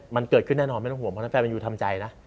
มันเกิดขึ้นแน่นอนไม่ต้องห่วงเพราะฉะนั้นแฟนแมนยูทำใจนะ